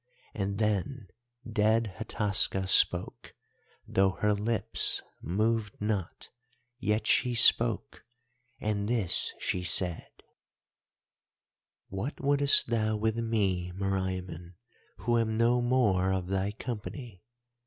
And then dead Hataska spoke—though her lips moved not, yet she spoke. And this she said: "'What wouldest thou with me, Meriamun, who am no more of thy company?